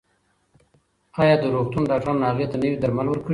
ایا د روغتون ډاکټرانو هغې ته نوي درمل ورکړي دي؟